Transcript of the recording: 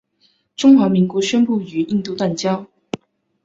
中华民国宣布与印度断交。